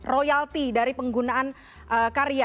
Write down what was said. royalty dari penggunaan karya